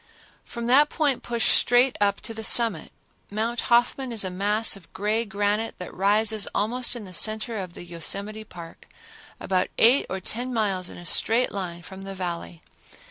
From that point push straight up to the summit. Mount Hoffman is a mass of gray granite that rises almost in the center of the Yosemite Park, about eight or ten miles in a straight line from the Valley.